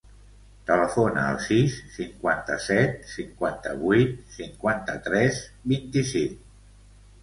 Telefona al sis, cinquanta-set, cinquanta-vuit, cinquanta-tres, vint-i-cinc.